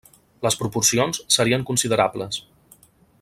Les proporcions serien considerables.